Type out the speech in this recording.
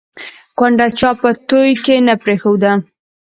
ـ کونډه چا په توى کې نه پرېښوده